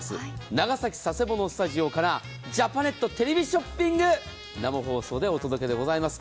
長崎・佐世保のスタジオからジャパネットテレビショッピング、生放送でお届けでございます。